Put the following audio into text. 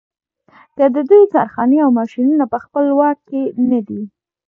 که د دوی کارخانې او ماشینونه په خپل واک کې نه دي.